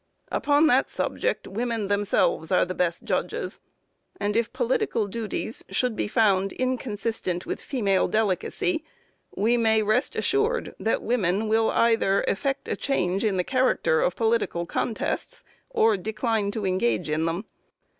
Upon that subject, women themselves are the best judges, and if political duties should be found inconsistent with female delicacy, we may rest assured that women will either effect a change in the character of political contests, or decline to engage in them.